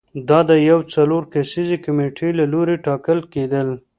دا د یوې څلور کسیزې کمېټې له لوري ټاکل کېدل